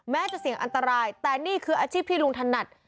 จะเสี่ยงอันตรายแต่นี่คืออาชีพที่ลุงถนัด